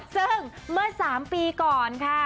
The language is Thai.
ซึ่งเมื่อ๓ปีก่อนค่ะ